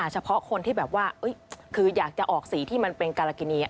เฉพาะคนที่แบบว่าคืออยากจะออกสีที่มันเป็นการากินี